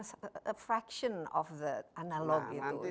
sebagian dari analog